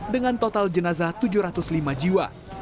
dengan total jenazah tujuh ratus lima jiwa